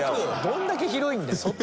どんだけ広いんだよ！